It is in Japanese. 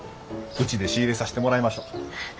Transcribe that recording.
うちで仕入れさしてもらいましょ。